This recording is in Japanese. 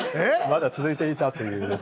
まだ続いていたという。